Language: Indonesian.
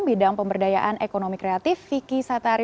bidang pemberdayaan ekonomi kreatif vicky satari